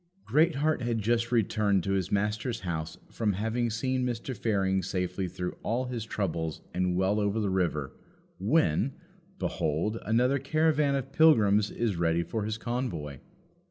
Greatheart had just returned to his Master's house from having seen Mr. Fearing safely through all his troubles and well over the river, when, behold, another caravan of pilgrims is ready for his convoy.